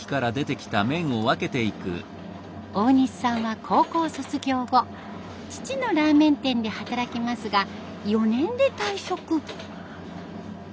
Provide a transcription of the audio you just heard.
大西さんは高校卒業後父のラーメン店で働きますが４年で退職。